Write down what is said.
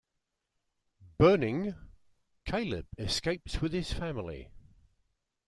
Burning, Caleb escapes with his family.